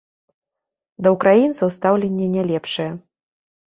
Да ўкраінцаў стаўленне не лепшае.